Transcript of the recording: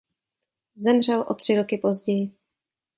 Zemřel o tři roky později.